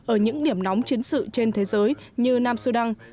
ở những điểm nóng chiến sự trên thế giới như nam sudan